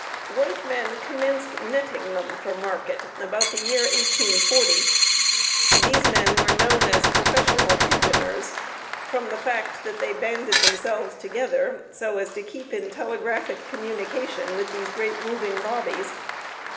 White men commenced netting them for market about the year 1840. These men were known as professional pigeoners, from the fact that they banded themselves together, so as to keep in telegraphic communication with these great moving bodies.